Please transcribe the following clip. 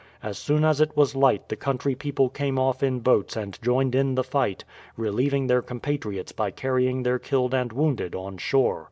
As soon as it was light the country people came off in boats and joined in the fight, relieving their compatriots by carrying their killed and wounded on shore.